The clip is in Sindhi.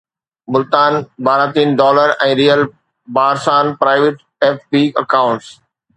ملتان باراتين ڊالر ۽ ريئل بارسان پرائيويٽ ايف بي اڪائونٽس